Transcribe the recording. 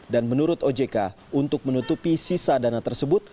dan menurut ojk untuk menutupi sisa dana tersebut